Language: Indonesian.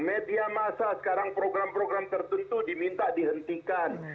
media masa sekarang program program tertentu diminta dihentikan